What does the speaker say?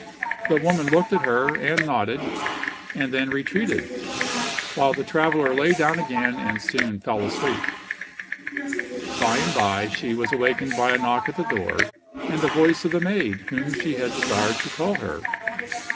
The woman looked at her, and nodded, and then retreated, while the traveller lay down again and soon fell asleep. By and by, she was awakened by a knock at the door and the voice of the maid whom she had desired to call her.